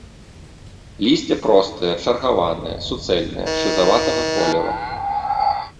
Лісце простае, чаргаванае, суцэльнае, шызаватага колеру.